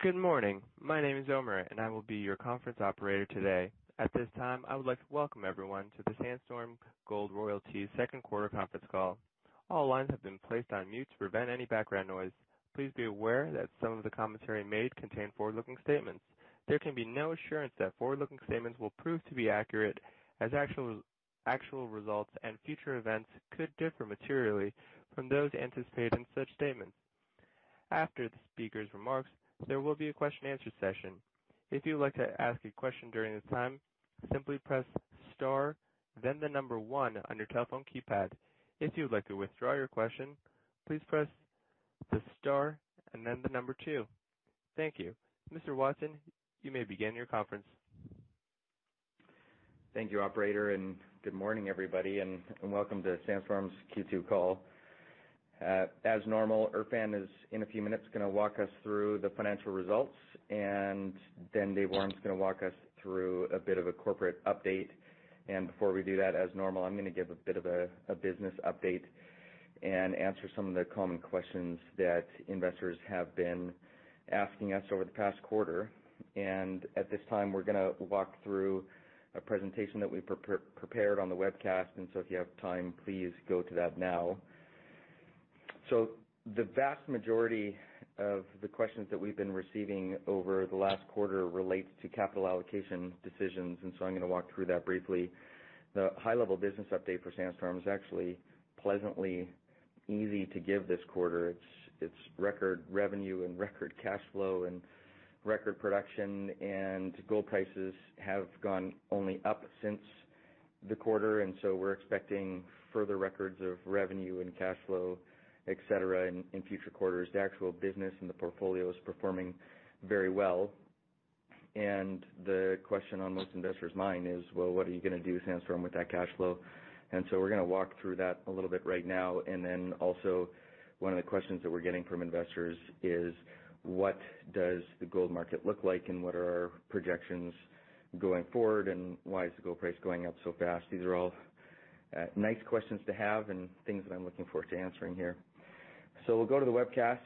Good morning. My name is Omer and I will be your conference operator today. At this time, I would like to welcome everyone to the Sandstorm Gold Royalties second quarter conference call. All lines have been placed on mute to prevent any background noise. Please be aware that some of the commentary made contain forward-looking statements. There can be no assurance that forward-looking statements will prove to be accurate, as actual results and future events could differ materially from those anticipated in such statements. After the speaker's remarks, there will be a question and answer session. If you would like to ask a question during this time, simply press star, then the number one on your telephone keypad. If you would like to withdraw your question, please press the star and then the number two. Thank you. Mr. Watson, you may begin your conference. Thank you, operator. Good morning, everybody. Welcome to Sandstorm's Q2 call. As normal, Erfan is, in a few minutes, going to walk us through the financial results, and then Dave Awram's going to walk us through a bit of a corporate update. Before we do that, as normal, I'm going to give a bit of a business update and answer some of the common questions that investors have been asking us over the past quarter. At this time, we're going to walk through a presentation that we prepared on the webcast. If you have time, please go to that now. The vast majority of the questions that we've been receiving over the last quarter relates to capital allocation decisions, and so I'm going to walk through that briefly. The high level business update for Sandstorm is actually pleasantly easy to give this quarter. It's record revenue and record cash flow and record production. Gold prices have gone only up since the quarter. We're expecting further records of revenue and cash flow, et cetera, in future quarters. The actual business and the portfolio is performing very well. The question on most investors' mind is, "Well, what are you going to do, Sandstorm, with that cash flow?" We're going to walk through that a little bit right now. Then also one of the questions that we're getting from investors is, what does the gold market look like and what are our projections going forward, and why is the gold price going up so fast? These are all nice questions to have and things that I'm looking forward to answering here. We'll go to the webcast.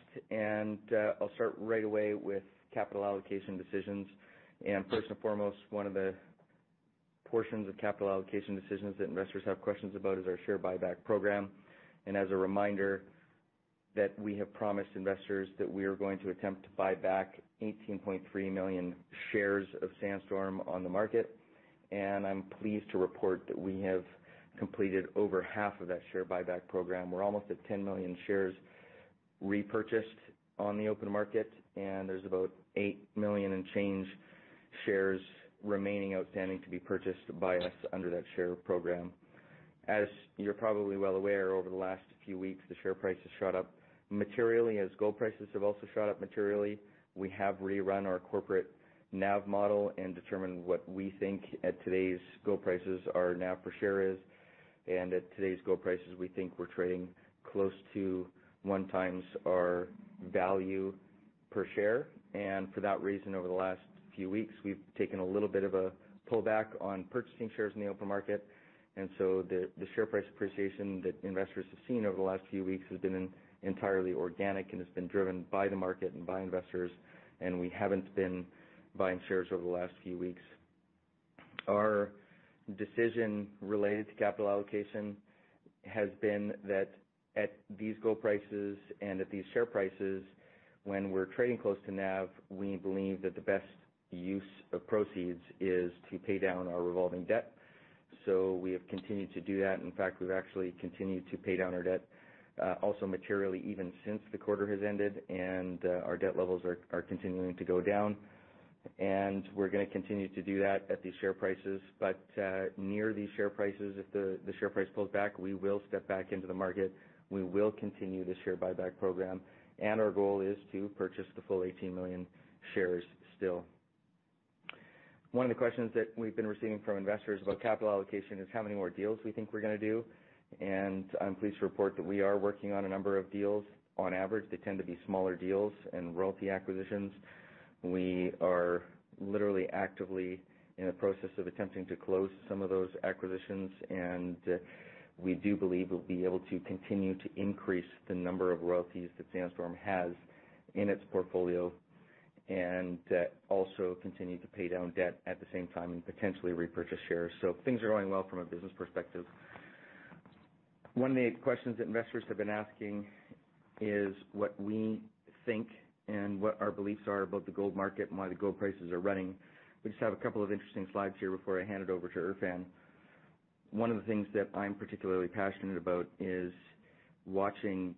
I'll start right away with capital allocation decisions. First and foremost, one of the portions of capital allocation decisions that investors have questions about is our Share Buyback Program. As a reminder that we have promised investors that we are going to attempt to buy back 18.3 million shares of Sandstorm on the market. I'm pleased to report that we have completed over half of that Share Buyback Program. We're almost at 10 million shares repurchased on the open market, and there's about 8 million and change shares remaining outstanding to be purchased by us under that Share Program. As you're probably well aware, over the last few weeks, the share price has shot up materially as gold prices have also shot up materially. We have rerun our corporate NAV model and determined what we think at today's gold prices our NAV per share is. At today's gold prices, we think we're trading close to one times our value per share. For that reason, over the last few weeks, we've taken a little bit of a pullback on purchasing shares in the open market. The share price appreciation that investors have seen over the last few weeks has been entirely organic and has been driven by the market and by investors, and we haven't been buying shares over the last few weeks. Our decision related to capital allocation has been that at these gold prices and at these share prices, when we're trading close to NAV, we believe that the best use of proceeds is to pay down our revolving debt. We have continued to do that. In fact, we've actually continued to pay down our debt, also materially, even since the quarter has ended, and our debt levels are continuing to go down. We're going to continue to do that at these share prices. Near these share prices, if the share price pulls back, we will step back into the market. We will continue the share buyback program, and our goal is to purchase the full 18 million shares still. One of the questions that we've been receiving from investors about capital allocation is how many more deals we think we're going to do. I'm pleased to report that we are working on a number of deals. On average, they tend to be smaller deals and royalty acquisitions. We are literally actively in the process of attempting to close some of those acquisitions, and we do believe we'll be able to continue to increase the number of royalties that Sandstorm has in its portfolio, and also continue to pay down debt at the same time and potentially repurchase shares. Things are going well from a business perspective. One of the questions that investors have been asking is what we think and what our beliefs are about the gold market and why the gold prices are running. We just have two interesting slides here before I hand it over to Erfan. One of the things that I'm particularly passionate about is watching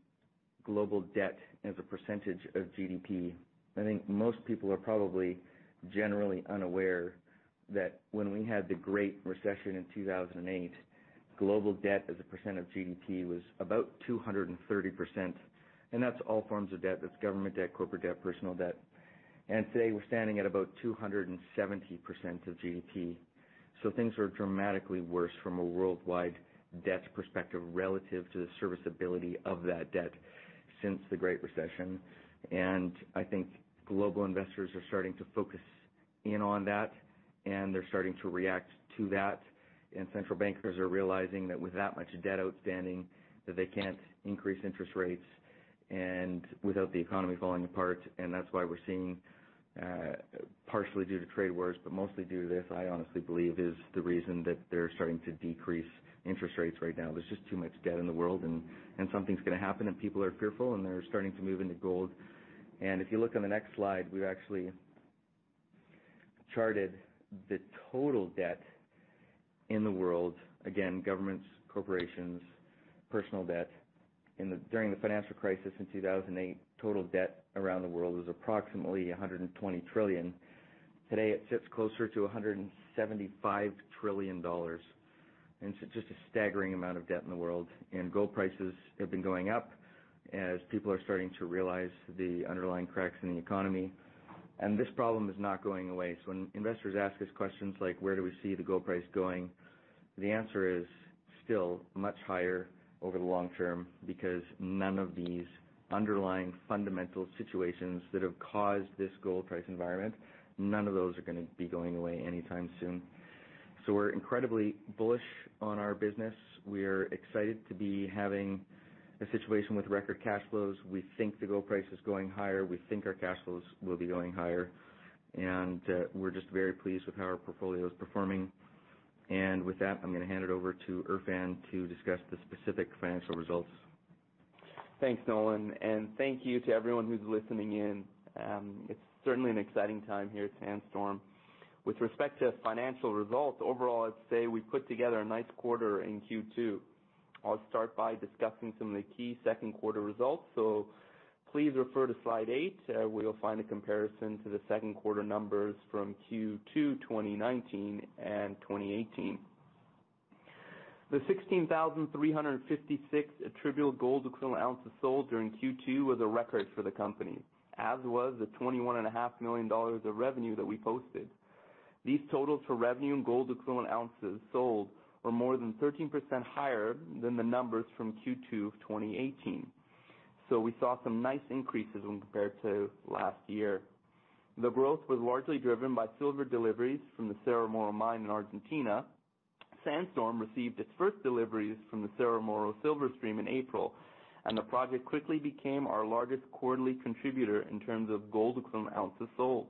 global debt as a % of GDP. I think most people are probably generally unaware that when we had the Great Recession in 2008, global debt as a percent of GDP was about 230%. That's all forms of debt. That's government debt, corporate debt, personal debt. Today, we're standing at about 270% of GDP. Things are dramatically worse from a worldwide debt perspective relative to the serviceability of that debt since the Great Recession. I think global investors are starting to focus in on that, and they're starting to react to that. Central bankers are realizing that with that much debt outstanding, that they can't increase interest rates and without the economy falling apart. That's why we're seeing, partially due to trade wars, but mostly due to this, I honestly believe is the reason that they're starting to decrease interest rates right now. There's just too much debt in the world and something's going to happen, and people are fearful, and they're starting to move into gold. If you look on the next slide, we've actually charted the total debt in the world. Again, governments, corporations, personal debt. During the financial crisis in 2008, total debt around the world was approximately $120 trillion. Today, it sits closer to $175 trillion. It's just a staggering amount of debt in the world. Gold prices have been going up as people are starting to realize the underlying cracks in the economy. This problem is not going away. When investors ask us questions like, "Where do we see the gold price going?" The answer is still much higher over the long term because none of these underlying fundamental situations that have caused this gold price environment, none of those are going to be going away anytime soon. We're incredibly bullish on our business. We're excited to be having a situation with record cash flows. We think the gold price is going higher. We think our cash flows will be going higher. We're just very pleased with how our portfolio is performing. With that, I'm going to hand it over to Erfan to discuss the specific financial results. Thanks, Nolan. Thank you to everyone who's listening in. It's certainly an exciting time here at Sandstorm. With respect to financial results, overall, I'd say we put together a nice quarter in Q2. I'll start by discussing some of the key second quarter results. Please refer to slide eight, where you'll find a comparison to the second quarter numbers from Q2 2019 and 2018. The 16,356 attributable gold equivalent ounces sold during Q2 was a record for the company, as was the $21.5 million of revenue that we posted. These totals for revenue and gold equivalent ounces sold were more than 13% higher than the numbers from Q2 of 2018. We saw some nice increases when compared to last year. The growth was largely driven by silver deliveries from the Cerro Moro Mine in Argentina. Sandstorm received its first deliveries from the Cerro Moro Silver Stream in April, and the project quickly became our largest quarterly contributor in terms of gold equivalent ounces sold.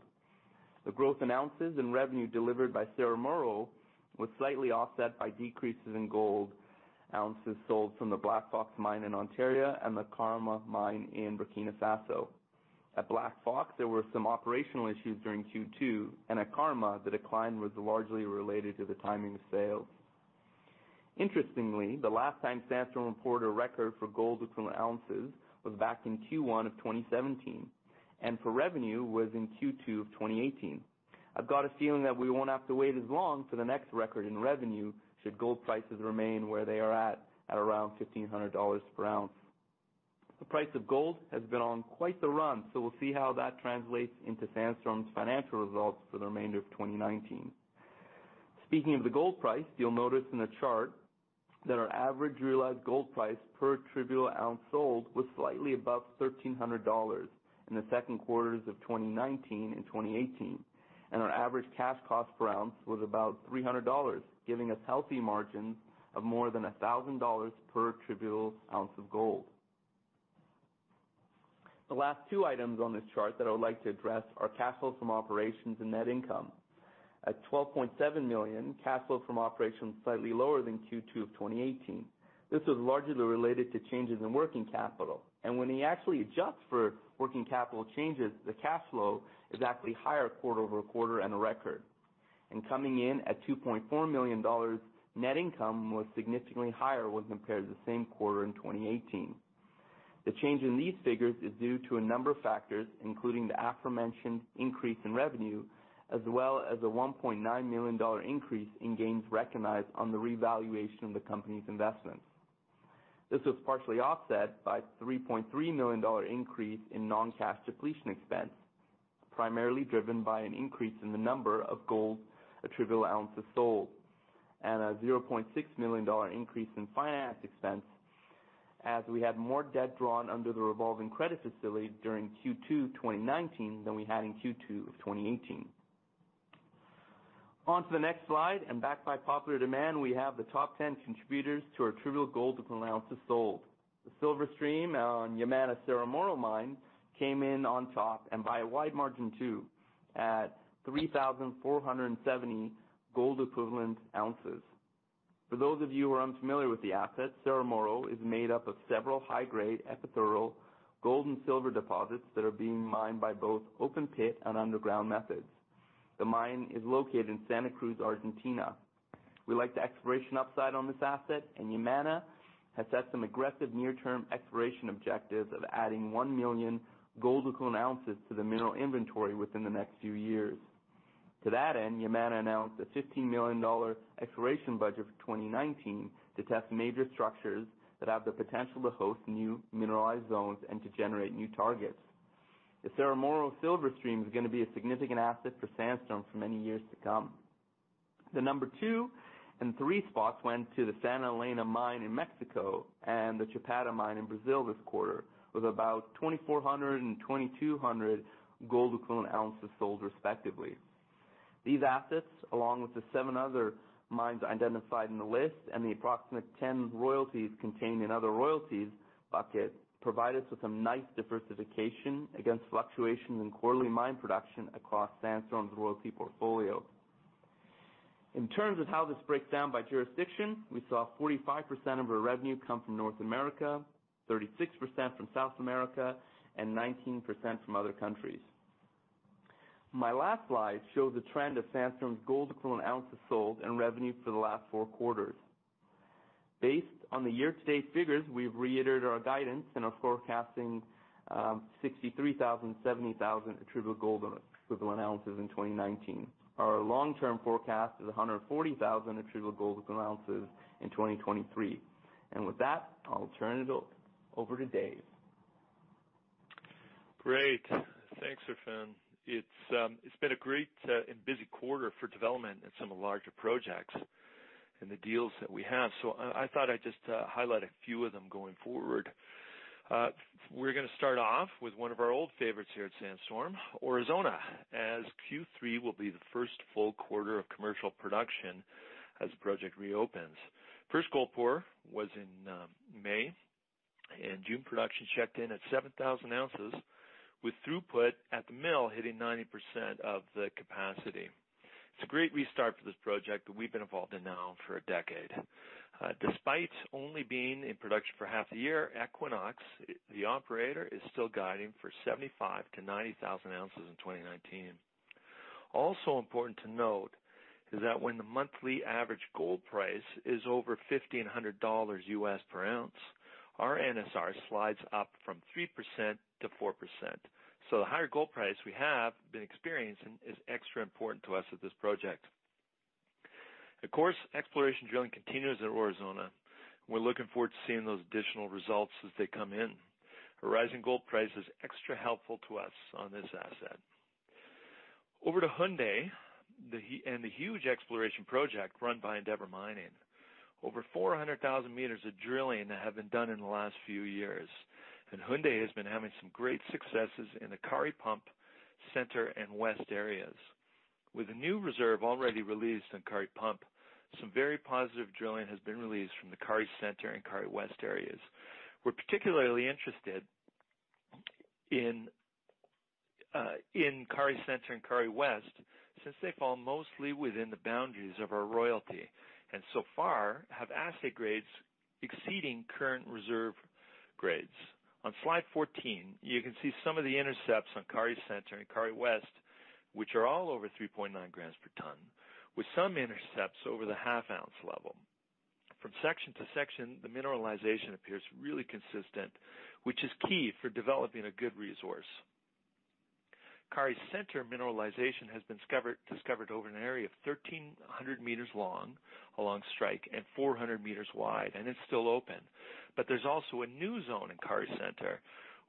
The growth in ounces and revenue delivered by Cerro Moro was slightly offset by decreases in gold ounces sold from the Black Fox Mine in Ontario and the Karma Mine in Burkina Faso. At Black Fox, there were some operational issues during Q2, and at Karma, the decline was largely related to the timing of sales. Interestingly, the last time Sandstorm reported a record for gold equivalent ounces was back in Q1 of 2017, and for revenue was in Q2 of 2018. I've got a feeling that we won't have to wait as long for the next record in revenue, should gold prices remain where they are at around $1,500 per ounce. The price of gold has been on quite the run, so we'll see how that translates into Sandstorm Gold's financial results for the remainder of 2019. Speaking of the gold price, you'll notice in the chart that our average realized gold price per attributable ounce sold was slightly above $1,300 in the second quarters of 2019 and 2018. Our average cash cost per ounce was about $300, giving us healthy margins of more than $1,000 per attributable ounce of gold. The last two items on this chart that I would like to address are cash flow from operations and net income. At $12.7 million, cash flow from operations was slightly lower than Q2 of 2018. This was largely related to changes in working capital. When we actually adjust for working capital changes, the cash flow is actually higher quarter-over-quarter and a record. Coming in at $2.4 million, net income was significantly higher when compared to the same quarter in 2018. The change in these figures is due to a number of factors, including the aforementioned increase in revenue, as well as a $1.9 million increase in gains recognized on the revaluation of the company's investments. This was partially offset by a $3.3 million increase in non-cash depletion expense, primarily driven by an increase in the number of gold equivalent ounces sold and a $0.6 million increase in finance expense as we had more debt drawn under the revolving credit facility during Q2 2019 than we had in Q2 of 2018. On to the next slide, and back by popular demand, we have the top 10 contributors to our attributable gold equivalent ounces sold. The silver stream on Yamana Cerro Moro Mine came in on top, and by a wide margin too, at 3,470 gold equivalent ounces. For those of you who are unfamiliar with the asset, Cerro Moro is made up of several high-grade epithermal gold and silver deposits that are being mined by both open pit and underground methods. The mine is located in Santa Cruz, Argentina. We like the exploration upside on this asset, and Yamana has set some aggressive near-term exploration objectives of adding 1 million gold equivalent ounces to the mineral inventory within the next few years. To that end, Yamana announced a $15 million exploration budget for 2019 to test major structures that have the potential to host new mineralized zones and to generate new targets. The Cerro Moro Silver Stream is going to be a significant asset for Sandstorm for many years to come. The number two and three spots went to the Santa Elena mine in Mexico and the Chapada mine in Brazil this quarter, with about 2,400 and 2,200 gold equivalent ounces sold respectively. These assets, along with the seven other mines identified in the list and the approximate 10 royalties contained in other royalties bucket, provide us with some nice diversification against fluctuations in quarterly mine production across Sandstorm's royalty portfolio. In terms of how this breaks down by jurisdiction, we saw 45% of our revenue come from North America, 36% from South America, and 19% from other countries. My last slide shows the trend of Sandstorm's gold equivalent ounces sold and revenue for the last four quarters. Based on the year-to-date figures, we've reiterated our guidance and are forecasting 63,000, 70,000 attributable gold equivalent ounces in 2019. Our long-term forecast is 140,000 attributable gold equivalent ounces in 2023. With that, I'll turn it over to Dave. Great. Thanks, Erfan. It's been a great and busy quarter for development in some of the larger projects and the deals that we have. I thought I'd just highlight a few of them going forward. We're going to start off with one of our old favorites here at Sandstorm, Aurizona, as Q3 will be the first full quarter of commercial production as the project reopens. First gold pour was in May, and June production checked in at 7,000 ounces, with throughput at the mill hitting 90% of the capacity. It's a great restart for this project that we've been involved in now for a decade. Despite only being in production for half the year, Equinox, the operator, is still guiding for 75,000-90,000 ounces in 2019. Also important to note is that when the monthly average gold price is over $1,500 per ounce, our NSR slides up from 3% to 4%. The higher gold price we have been experiencing is extra important to us at this project. Of course, exploration drilling continues at Aurizona. We're looking forward to seeing those additional results as they come in. A rising gold price is extra helpful to us on this asset. Over to Houndé and the huge exploration project run by Endeavour Mining. Over 400,000 meters of drilling have been done in the last few years, and Houndé has been having some great successes in the Kari Pump, Center, and West areas. With a new reserve already released on Kari Pump, some very positive drilling has been released from the Kari Center and Kari West areas. We're particularly interested in Kari Center and Kari West, since they fall mostly within the boundaries of our royalty. So far have assay grades exceeding current reserve grades. On slide 14, you can see some of the intercepts on Kari Center and Kari West, which are all over 3.9 grams per ton, with some intercepts over the half ounce level. From section to section, the mineralization appears really consistent, which is key for developing a good resource. Kari Center mineralization has been discovered over an area of 1,300 meters long along strike and 400 meters wide, and it's still open. There's also a new zone in Kari Center,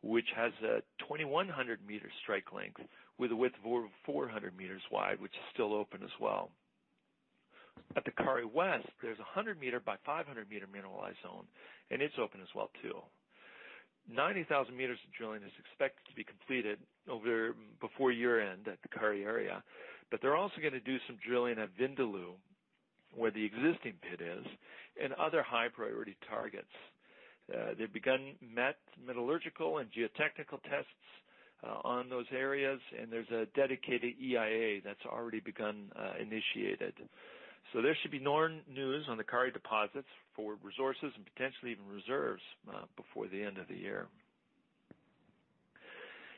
which has a 2,100-meter strike length with a width of over 400 meters wide, which is still open as well. At the Kari West, there's a 100-meter by 500-meter mineralized zone, and it's open as well, too. 90,000 meters of drilling is expected to be completed before year-end at the Kari area. They're also going to do some drilling at Vindaloo, where the existing pit is and other high priority targets. They've begun metallurgical and geotechnical tests on those areas. There's a dedicated EIA that's already begun, initiated. There should be more news on the Kari deposits for resources and potentially even reserves before the end of the year.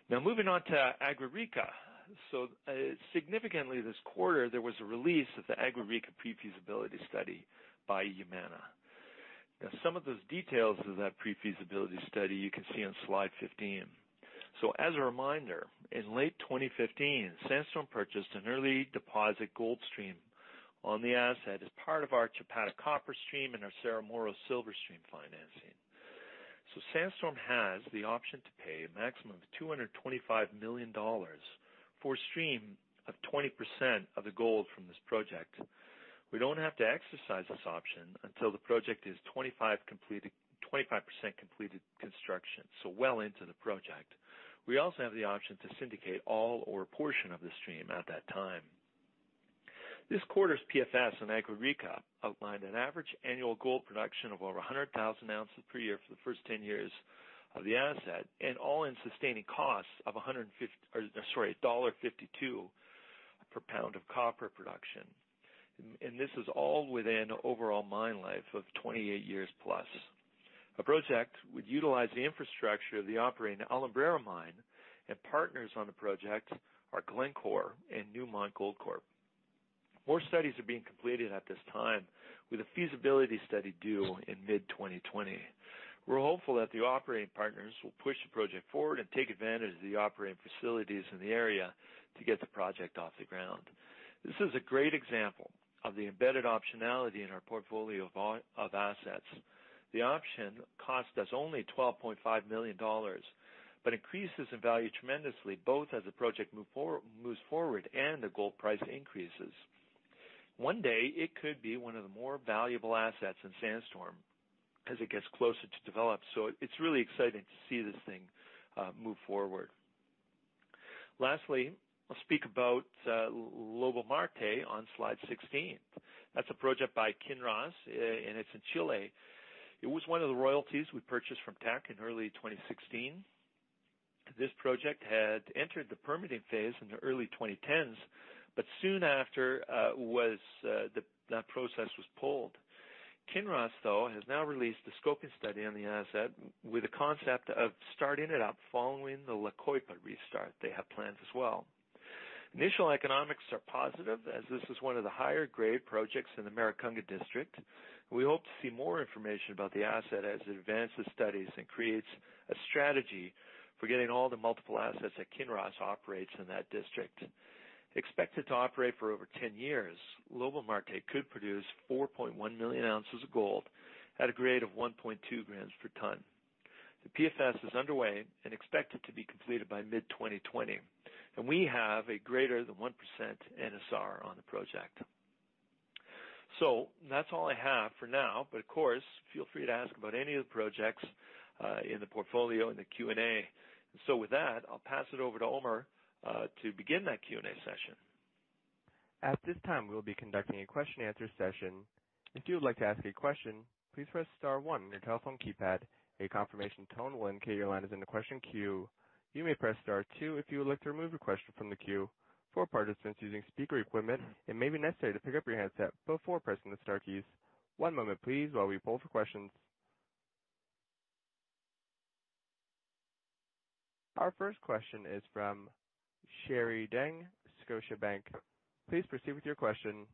Moving on to Agua Rica. Significantly this quarter, there was a release of the Agua Rica pre-feasibility study by Yamana. Some of those details of that pre-feasibility study you can see on slide 15. As a reminder, in late 2015, Sandstorm purchased an early deposit gold stream on the asset as part of our Chapada copper stream and our Cerro Moro Silver Stream financing. Sandstorm has the option to pay a maximum of $225 million for a stream of 20% of the gold from this project. We don't have to exercise this option until the project is 25% completed construction, so well into the project. We also have the option to syndicate all or a portion of this stream at that time. This quarter's PFS on Agua Rica outlined an average annual gold production of over 100,000 ounces per year for the first 10 years of the asset, and all-in sustaining costs of $1.52 per pound of copper production. This is all within an overall mine life of 28 years plus. A project would utilize the infrastructure of the operating Alumbrera mine, and partners on the project are Glencore and Newmont Goldcorp. More studies are being completed at this time, with a feasibility study due in mid-2020. We're hopeful that the operating partners will push the project forward and take advantage of the operating facilities in the area to get the project off the ground. This is a great example of the embedded optionality in our portfolio of assets. The option cost us only $12.5 million, but increases in value tremendously both as the project moves forward and the gold price increases. One day, it could be one of the more valuable assets in Sandstorm as it gets closer to develop. It's really exciting to see this thing move forward. I'll speak about Lobo Marte on slide 16. That's a project by Kinross, and it's in Chile. It was one of the royalties we purchased from Teck in early 2016. This project had entered the permitting phase in the early 2010s, soon after, that process was pulled. Kinross, though, has now released the scoping study on the asset with the concept of starting it up following the La Coipa restart. They have plans as well. Initial economics are positive as this is one of the higher-grade projects in the Maricunga District. We hope to see more information about the asset as it advances studies and creates a strategy for getting all the multiple assets that Kinross operates in that district. Expected to operate for over 10 years, Lobo Marte could produce 4.1 million ounces of gold at a grade of 1.2 grams per ton. The PFS is underway and expected to be completed by mid-2020. We have a greater than 1% NSR on the project. That's all I have for now. Of course, feel free to ask about any of the projects in the portfolio in the Q&A. With that, I'll pass it over to Omer to begin that Q&A session. At this time, we'll be conducting a question answer session. If you would like to ask a question, please press star one on your telephone keypad. A confirmation tone will indicate your line is in the question queue. You may press star two if you would like to remove a question from the queue. For participants using speaker equipment, it may be necessary to pick up your handset before pressing the star keys. One moment please while we poll for questions. Our first question is from Sherry Deng, Scotiabank. Please proceed with your question.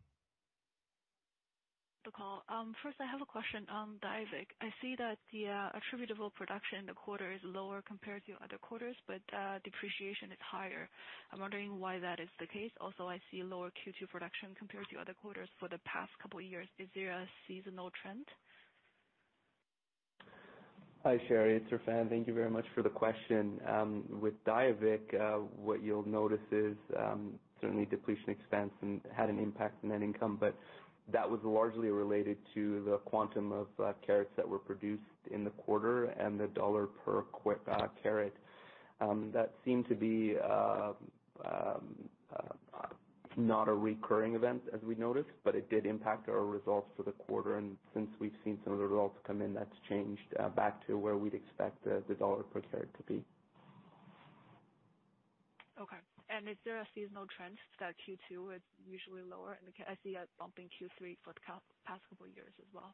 Nolan, first, I have a question on Diavik. I see that the attributable production in the quarter is lower compared to other quarters, depreciation is higher. I'm wondering why that is the case. Also, I see lower Q2 production compared to other quarters for the past couple of years. Is there a seasonal trend? Hi, Sherry. It's Erfan. Thank you very much for the question. With Diavik, what you'll notice is certainly depletion expense had an impact on net income, that was largely related to the quantum of carats that were produced in the quarter and the $ per carat. That seemed to be not a recurring event, as we noticed, it did impact our results for the quarter. Since we've seen some of the results come in, that's changed back to where we'd expect the $ per carat to be. Okay. Is there a seasonal trend that Q2 is usually lower? I see a bump in Q3 for the past couple of years as well.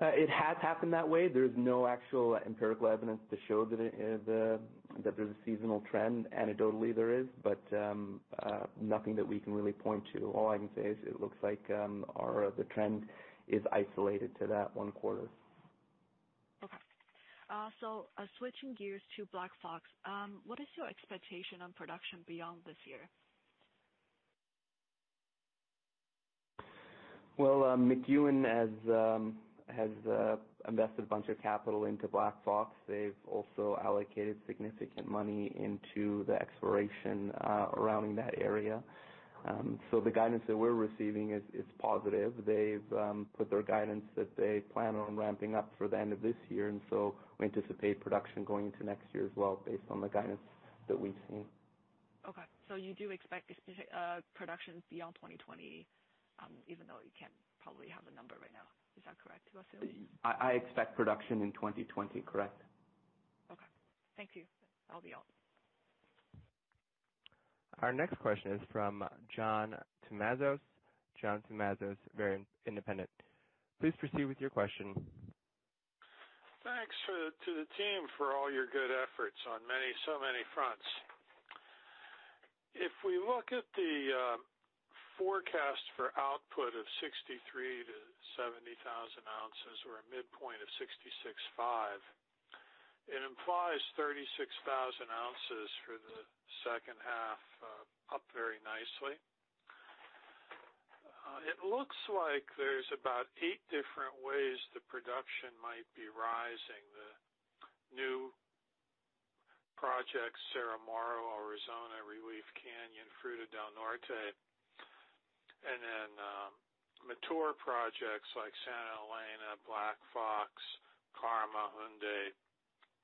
It has happened that way. There's no actual empirical evidence to show that there's a seasonal trend. Anecdotally, there is, but nothing that we can really point to. All I can say is it looks like the trend is isolated to that one quarter. Okay. Switching gears to Black Fox, what is your expectation on production beyond this year? Well, McEwen has invested a bunch of capital into Black Fox. They've also allocated significant money into the exploration around that area. The guidance that we're receiving is positive. They've put their guidance that they plan on ramping up for the end of this year. We anticipate production going into next year as well based on the guidance that we've seen. Okay, you do expect production beyond 2020, even though you can't probably have a number right now. Is that correct to assume? I expect production in 2020, correct. Okay. Thank you. That'll be all. Our next question is from John Tumazos. John Tumazos, Very Independent Research. Please proceed with your question. Thanks to the team for all your good efforts on so many fronts. If we look at the forecast for output of 63,000 to 70,000 ounces or a midpoint of 66,500, it implies 36,000 ounces for the second half up very nicely. It looks like there's about eight different ways the production might be rising. The new projects, Cerro Moro, Aurizona, Relief Canyon, Fruta del Norte, and then mature projects like Santa Elena, Black Fox, Karma, Houndé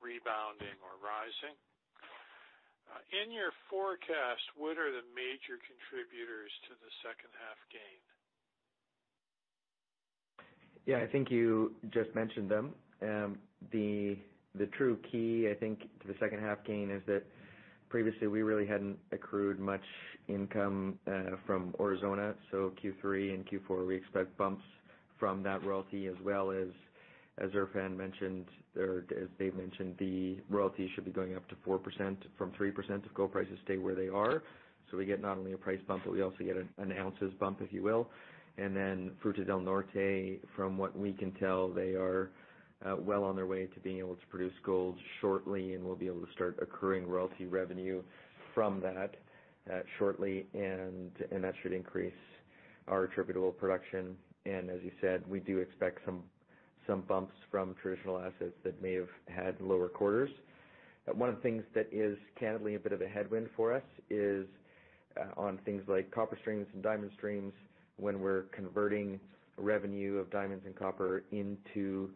rebounding or rising. In your forecast, what are the major contributors to the second half gain? I think you just mentioned them. The true key, I think, to the second half gain is that previously we really hadn't accrued much income from Aurizona. Q3 and Q4, we expect bumps from that royalty as well as Erfan mentioned, or as Dave mentioned, the royalty should be going up to 4% from 3% if gold prices stay where they are. We get not only a price bump, but we also get an ounces bump, if you will. Fruta del Norte, from what we can tell, they are well on their way to being able to produce gold shortly, and we'll be able to start accruing royalty revenue from that shortly, and that should increase our attributable production. As you said, we do expect some Some bumps from traditional assets that may have had lower quarters. One of the things that is candidly a bit of a headwind for us is on things like copper streams and diamond streams, when we're converting revenue of diamonds and copper into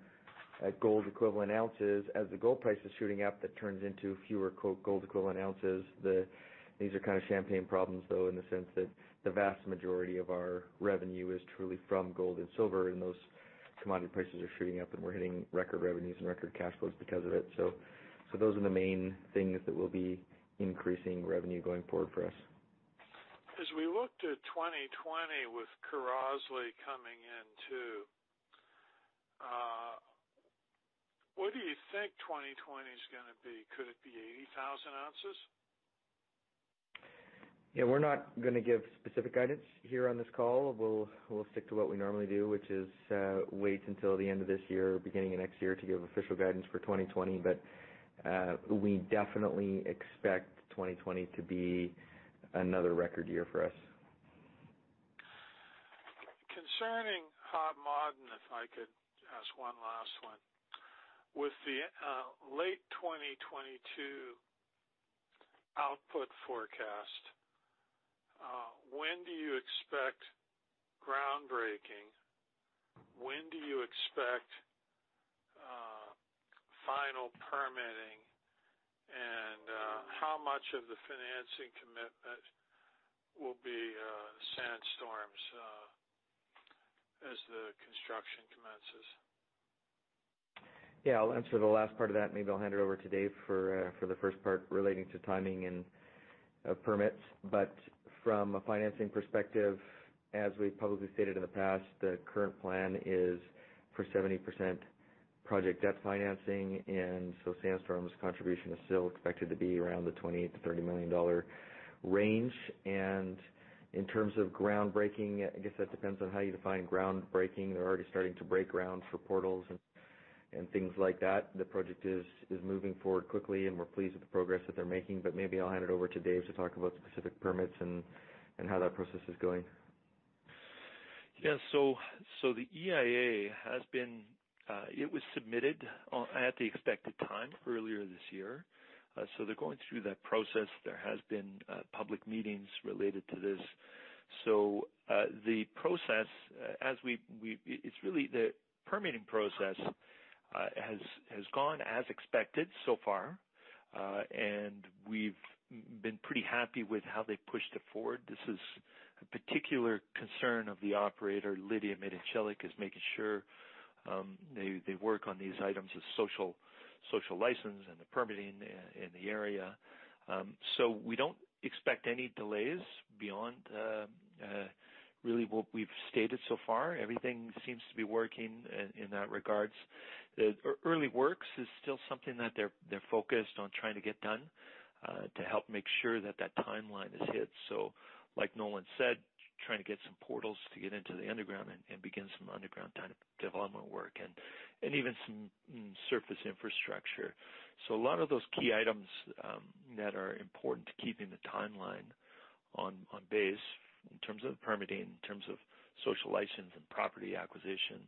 gold equivalent ounces. As the gold price is shooting up, that turns into fewer gold equivalent ounces. These are kind of champagne problems, though, in the sense that the vast majority of our revenue is truly from gold and silver, and those commodity prices are shooting up, and we're hitting record revenues and record cash flows because of it. Those are the main things that will be increasing revenue going forward for us. As we look to 2020 with Krozle coming in too, what do you think 2020's going to be? Could it be 80,000 ounces? Yeah. We're not going to give specific guidance here on this call. We'll stick to what we normally do, which is wait until the end of this year, beginning of next year, to give official guidance for 2020. We definitely expect 2020 to be another record year for us. Concerning Hod Maden, if I could ask one last one. With the late 2022 output forecast, when do you expect groundbreaking? When do you expect final permitting? How much of the financing commitment will be Sandstorm's as the construction commences? Yeah. I'll answer the last part of that, and maybe I'll hand it over to Dave for the first part relating to timing and permits. From a financing perspective, as we've publicly stated in the past, the current plan is for 70% project debt financing. Sandstorm's contribution is still expected to be around the $20 million-$30 million range. In terms of groundbreaking, I guess that depends on how you define groundbreaking. They're already starting to break ground for portals and things like that. The project is moving forward quickly, and we're pleased with the progress that they're making. Maybe I'll hand it over to Dave to talk about specific permits and how that process is going. The EIA, it was submitted at the expected time earlier this year. They're going through that process. There has been public meetings related to this. The permitting process has gone as expected so far. We've been pretty happy with how they've pushed it forward. This is a particular concern of the operator, Lidya Madencilik, is making sure they work on these items as social license and the permitting in the area. We don't expect any delays beyond really what we've stated so far. Everything seems to be working in that regard. The early works is still something that they're focused on trying to get done to help make sure that that timeline is hit. Like Nolan said, trying to get some portals to get into the underground and begin some underground development work and even some surface infrastructure. A lot of those key items that are important to keeping the timeline on base in terms of permitting, in terms of social license and property acquisition,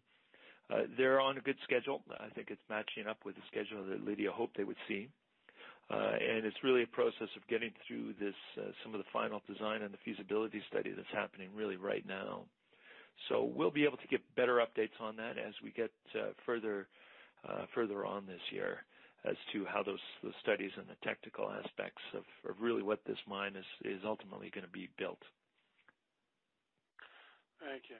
they're on a good schedule. I think it's matching up with the schedule that Lidya hoped they would see. It's really a process of getting through some of the final design and the feasibility study that's happening really right now. We'll be able to give better updates on that as we get further on this year as to how those studies and the technical aspects of really what this mine is ultimately going to be built. Thank you.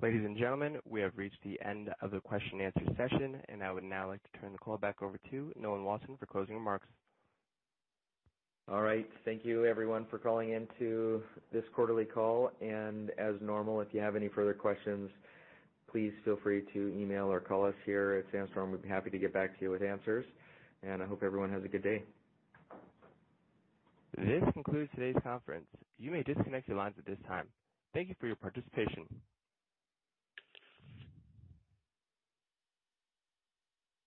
Ladies and gentlemen, we have reached the end of the question and answer session, and I would now like to turn the call back over to Nolan Watson for closing remarks. All right. Thank you everyone for calling in to this quarterly call. As normal, if you have any further questions, please feel free to email or call us here at Sandstorm. We'd be happy to get back to you with answers. I hope everyone has a good day. This concludes today's conference. You may disconnect your lines at this time. Thank you for your participation.